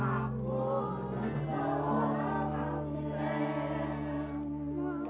aku seorang kapiter